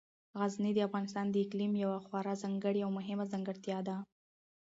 غزني د افغانستان د اقلیم یوه خورا ځانګړې او مهمه ځانګړتیا ده.